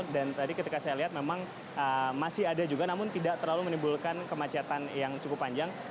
dan tadi ketika saya lihat memang masih ada juga namun tidak terlalu menimbulkan kemacetan yang cukup panjang